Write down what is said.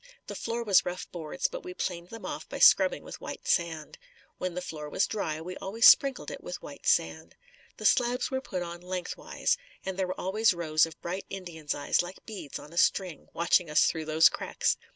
The floor was rough boards, but we planed them off by scrubbing with white sand. When the floor was dry, we always sprinkled it with white sand. The slabs were put on lengthwise, and there were always rows of bright Indians' eyes like beads on a string watching us through these cracks.